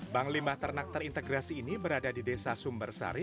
bank limba ternak terintegrasi ini berada di desa sumber sari